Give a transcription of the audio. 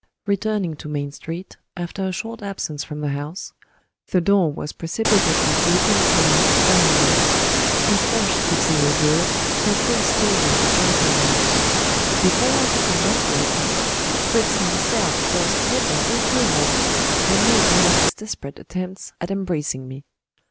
Returning to Main Street, after a short absence from the house, the door was precipitately opened to me by Minna. Before she could say a word, her face told me the joyful news. Before I could congratulate her, Fritz himself burst headlong into the hall, and made one of his desperate attempts at embracing me.